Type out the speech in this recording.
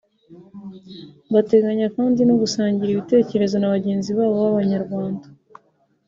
Bateganya kandi no gusangira ibitekerezo na bagenzi babo b’Abanyarwanda